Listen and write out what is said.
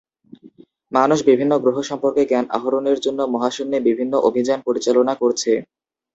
মানুষ বিভিন্ন গ্রহ সম্পর্কে জ্ঞান আহরণের জন্য মহাশুন্যে বিভিন্ন অভিযান পরিচালনা করছে।